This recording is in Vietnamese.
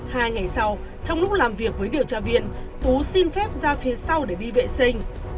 hai ngày sau trong lúc làm việc với điều tra viên tú xin phép ra phía sau để đi vệ sinh